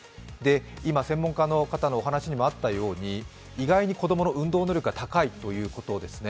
今、専門家の方のお話にもあったように意外に子供の運動能力が高いということですね。